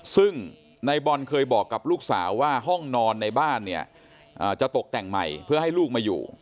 ซึ่งในบอลเคยบอกกับลูกสาวว่าห้องนอนในบ้านเนี่ยจะตกแต่งใหม่เพื่อให้ลูกมาอยู่